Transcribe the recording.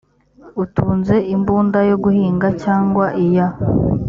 utunze imbunda yo guhiga cyangwa iya